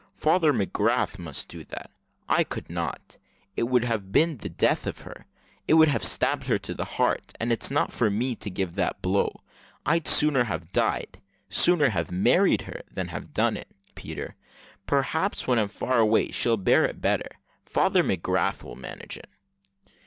"Father McGrath must do that, I could not. It would have been the death of her. It would have stabbed her to the heart, and it's not for me to give that blow. I'd sooner have died sooner have married her, than have done it, Peter. Perhaps when I'm far away she'll bear it better. Father McGrath will manage it."